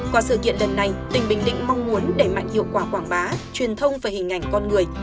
qua sự kiện lần này tỉnh bình định mong muốn đẩy mạnh hiệu quả quảng bá truyền thông về hình ảnh con người